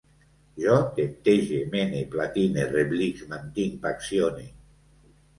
Jo temptege, mene, platine, reblisc, mantinc, paccione